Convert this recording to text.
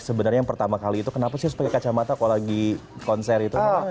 sebenernya yang pertama kali itu kenapa sih sebagian kacamata kalau lagi konser itu